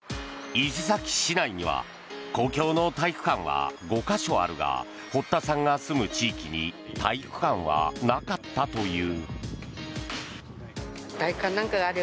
伊勢崎市内には公共の体育館は５か所あるが堀田さんが住む地域に体育館はなかったという。